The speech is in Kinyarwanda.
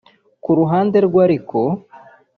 Ku ruhande rwe ariko